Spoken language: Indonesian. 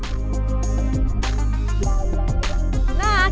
dengan waktu kurang lebih tiga lima jam